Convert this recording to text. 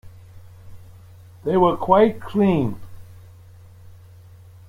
They were quite clean.